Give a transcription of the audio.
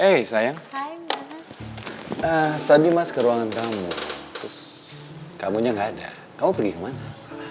eh sayang tadi mas keruangan kamu terus kamu nya enggak ada kau pergi kemana